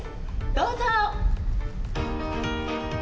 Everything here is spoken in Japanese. どうぞ。